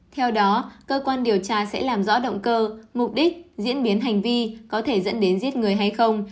theo đó cơ quan điều tra sẽ làm rõ động cơ mục đích diễn biến hành vi có thể dẫn đến giết người hay không